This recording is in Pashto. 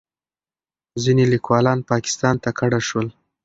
ځینې لیکوالان پاکستان ته کډه شول.